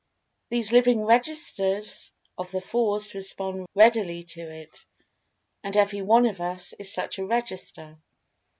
These living registers of the Force respond readily to it,—and every one of us is such a register.